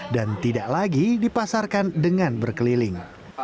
dan tidak lagi dipasarkan dengan berkeliling